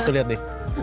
tuh lihat deh